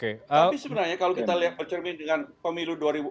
tapi sebenarnya kalau kita lihat